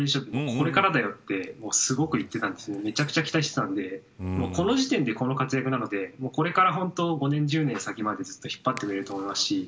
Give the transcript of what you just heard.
これからだよとすごく言ってたんでめちゃくちゃ期待していたんでこの時点でこの活躍なのでこれから５年、１０年先まで引っ張ってくれると思いますし